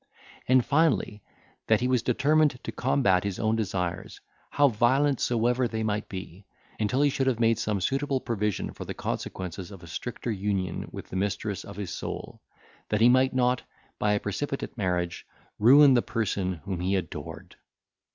And, finally, that he was determined to combat his own desires, how violent soever they might be, until he should have made some suitable provision for the consequences of a stricter union with the mistress of his soul, that he might not, by a precipitate marriage, ruin the person whom he adored.